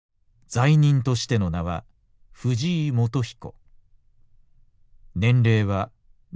罪人としての名は藤井善信。